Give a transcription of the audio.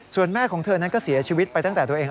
ส่วนแม่ของเธอนั้นก็เสียชีวิตไปตั้งแต่ตัวเอง